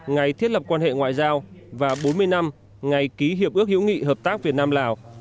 ngày thiết lập quan hệ ngoại giao và bốn mươi năm ngày ký hiệp ước hữu nghị hợp tác việt nam lào